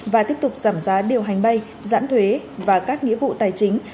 và tiếp tục giảm giá điều hành bay giãn thuế và các nghĩa vụ tài chính